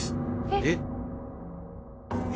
えっ！